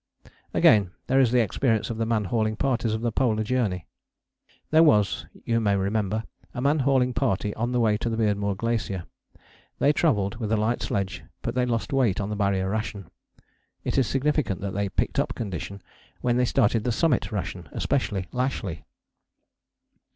Again, there is the experience of the man hauling parties of the Polar Journey. There was, you may remember, a man hauling party on the way to the Beardmore Glacier. They travelled with a light sledge but they lost weight on the Barrier ration. It is significant that they picked up condition when they started the Summit ration, especially Lashly.